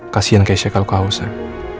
kasian keisha kalau kau haus sam